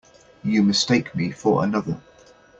You mistake me for another.